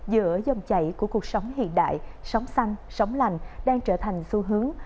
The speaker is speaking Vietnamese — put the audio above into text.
giữa dòng chảy của cuộc sống hiện đại sống xanh sống lành đang trở thành xu hướng